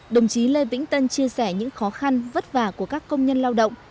đồng chí lê vĩnh tân chia sẻ những khó khăn vất vả của các công nhân lao động